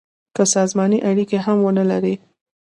که سازماني اړیکي هم ونه لري.